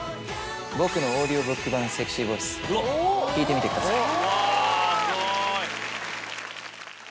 僕のオーディオブック版セクシーボイス聴いてみてください。